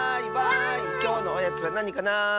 きょうのおやつはなにかな？